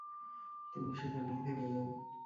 তিনি সেখানেই থেকে যান।